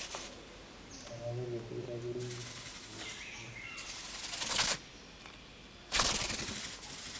Trafalgar স্কয়ারে বিশাল জমায়েত শেষে একটি অ্যাম্বুলেন্স নিয়ে এলেন ভারতে আসেন।